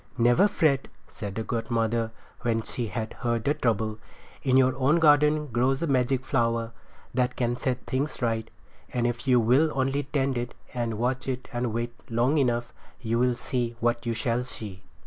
"Never fret," said the godmother when she had heard the trouble. "In your own garden grows a magic flower that can set things right; and if you will only tend it and watch it and wait long enough you shall see what you shall see."